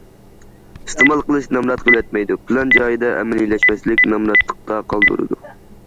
ئىستېمال قىلىش نامرات قىلىۋەتمەيدۇ، پىلان جايىدا ئەمەلىيلەشمەسلىك نامراتلىقتا قالدۇرىدۇ.